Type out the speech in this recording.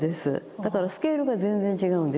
だからスケールが全然違うんですよ。